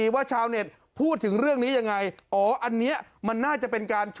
พวกมันกันอย่างนี้หรอ